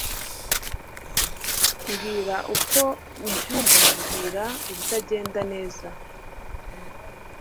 mbwira uko mbyumva, mbwira ibitagenda neza